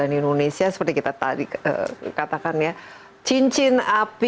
dan indonesia seperti kita tadi katakan ya cincin api